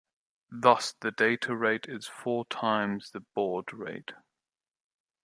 Thus, the data rate is four times the baud rate.